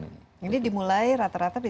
ini dimulai rata rata di